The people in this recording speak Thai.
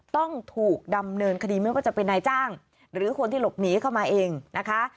ต้องถูกดำเนินคดีไม่ว่าจะเป็นนายจ้างหรือคนที่หลบหนีเข้ามาเองนะคะ